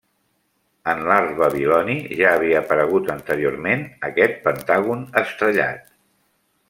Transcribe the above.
En l'art babiloni, ja havia aparegut anteriorment aquest pentàgon estrellat.